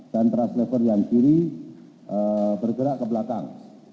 dan truss lever yang kiri bergerak ke belakang